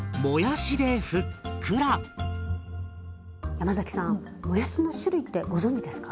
山さんもやしの種類ってご存じですか？